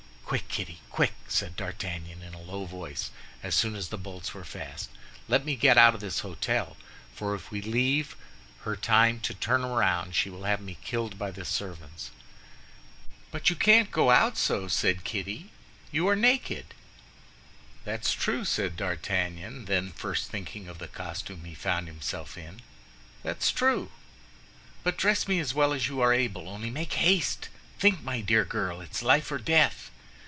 "Quick, Kitty, quick!" said D'Artagnan, in a low voice, as soon as the bolts were fast, "let me get out of the hôtel; for if we leave her time to turn round, she will have me killed by the servants." "But you can't go out so," said Kitty; "you are naked." "That's true," said D'Artagnan, then first thinking of the costume he found himself in, "that's true. But dress me as well as you are able, only make haste; think, my dear girl, it's life and death!"